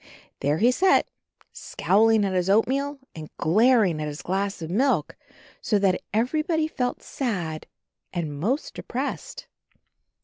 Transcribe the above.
There he sat, scowling at his oatmeal and glaring at his glass of milk, so that everybody felt sad and most de pressed.